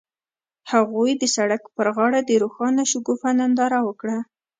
هغوی د سړک پر غاړه د روښانه شګوفه ننداره وکړه.